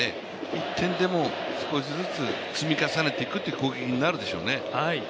１点でも多く積み重ねていくという攻撃になるでしょうね。